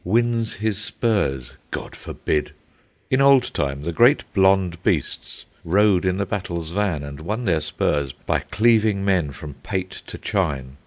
Wins his spurs—God forbid! In old time the great blonde beasts rode in the battle's van and won their spurs by cleaving men from pate to chine.